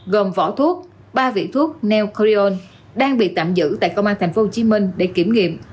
gồm vỏ thuốc ba vị thuốc neocordion đang bị tạm giữ tại công an tp hcm để kiểm nghiệm